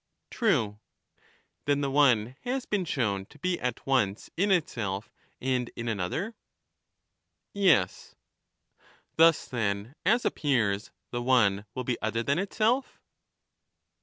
True. Then the one has been shown to be at once in itself and in another ? Yes. Thus, then, as appears, the one will be other than itself?